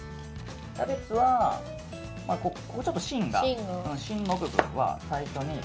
キャベツはちょっと芯の部分は最初に。